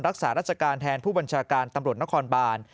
รักษาราชการแทนผู้บัญชาการตำรวจนครบาน